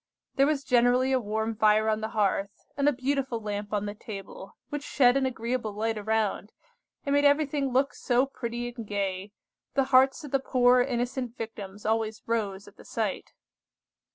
There was generally a warm fire on the hearth, and a beautiful lamp on the table, which shed an agreeable light around, and made everything look so pretty and gay, the hearts of the poor innocent Victims always rose at the sight.